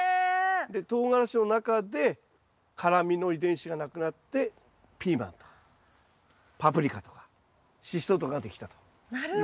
とうがらしの中で辛みの遺伝子がなくなってピーマンとかパプリカとかシシトウとかができたということですね。